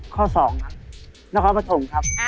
ข้อสองนครปฐมครับ